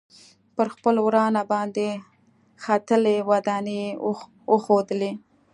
پر خپل ورانه باندې ختلي دانې یې وښودلې.